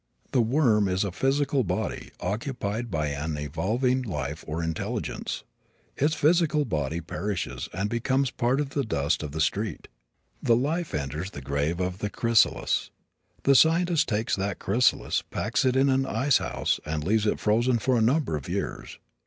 The worm is a physical body occupied by an evolving life or intelligence. Its physical body perishes and becomes part of the dust of the street. The life enters the grave of the chrysalis. The scientist takes that chrysalis, packs it in an ice house and leaves it frozen for a number of years.